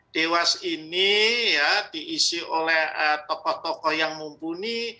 dewas ini diisi oleh tokoh tokoh yang mumpuni